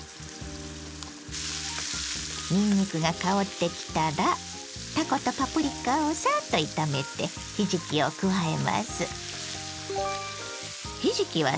にんにくが香ってきたらたことパプリカをさっと炒めてひじきを加えます。